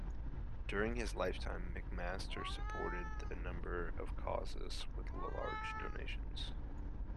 During his lifetime, McMaster supported a number of causes with large donations.